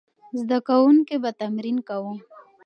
زده کوونکي به تمرین کاوه.